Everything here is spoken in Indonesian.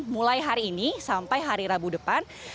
mulai hari ini sampai hari rabu depan